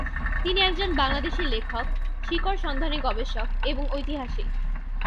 তিনি একজন বাংলাদেশী লেখক, শিকড় সন্ধানী গবেষক এবং ঐতিহাসিক।